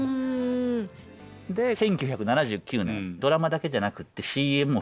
で１９７９年ドラマだけじゃなくてＣＭも。